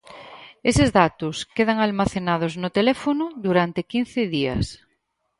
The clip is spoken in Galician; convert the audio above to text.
Eses datos quedan almacenados no teléfono durante quince días.